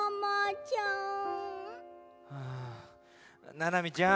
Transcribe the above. ななみちゃん